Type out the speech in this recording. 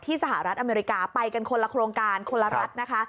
สหรัฐอเมริกาไปกันคนละโครงการคนละรัฐนะคะ